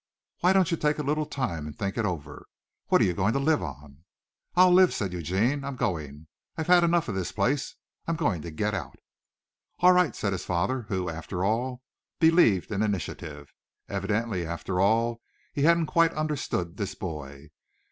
"Why don't you take a little time and think it over? What are you going to live on?" "I'll live," said Eugene. "I'm going. I've had enough of this place. I'm going to get out." "All right," said his father, who, after all, believed in initiative. Evidently after all he hadn't quite understood this boy.